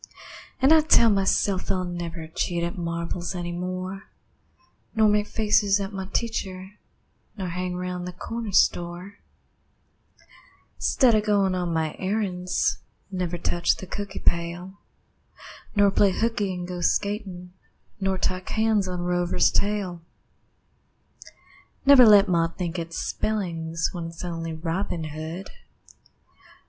An' I tell myself I'll never Cheat at marbles any more, Nor make faces at my teacher, Nor hang round the corner store 'Stead of goin' on my errands; Never touch the cookie pail, Nor play hooky an' go skatin', Nor tie cans on Rover's tail; Never let ma think it's spellings When it's only Robin Hood.